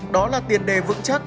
đó là tiền đề vững chắc